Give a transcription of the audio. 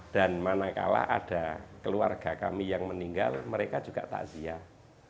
dan manakala ada keluarga kami yang meninggal mereka juga tak siap